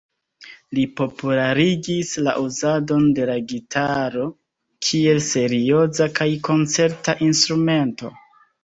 Li popularigis la uzadon de la gitaro kiel serioza kaj koncerta instrumento.